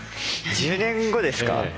１０年後ですか？